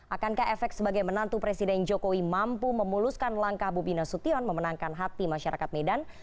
akankah efek sebagai menantu presiden jokowi mampu memuluskan langkah bobi nasution memenangkan hati masyarakat medan